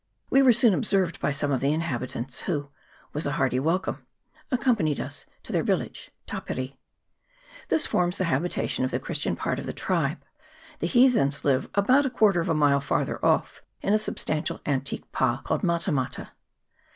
We were soon observed by some of the inhabitants, who, with a hearty wel come, accompanied us to their village, Tapiri. This forms the habitation of the Christian part of the tribe ; the heathens live about a quarter of a mile farther off in a substantial antique pa called Mata mata.